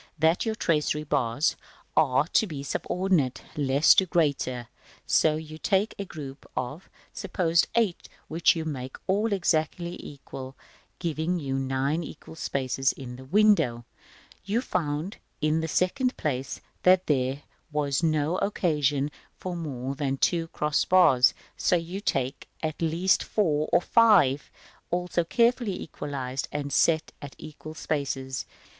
that your tracery bars are to be subordinated, less to greater; so you take a group of, suppose, eight, which you make all exactly equal, giving you nine equal spaces in the window, as at A, Fig. XLVI. You found, in the second place (§ VII.), that there was no occasion for more than two cross bars; so you take at least four or five (also represented at A, Fig. XLVI.), also carefully equalised, and set at equal spaces.